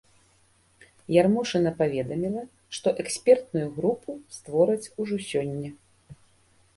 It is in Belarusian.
Ярмошына паведаміла, што экспертную групу створаць ужо сёння.